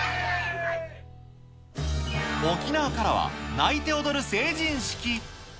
沖縄からは、泣いて踊る成人式。